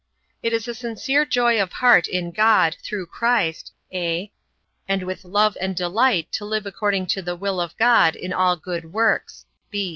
It is a sincere joy of heart in God, through Christ, (a) and with love and delight to live according to the will of God in all good works.